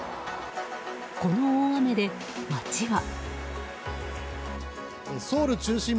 この大雨で街は。